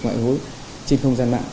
ngoại hối trên không gian mạng